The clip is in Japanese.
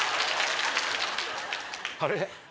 あれ？